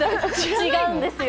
違うんですよ。